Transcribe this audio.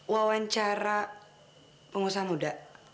wawancara pengusaha muda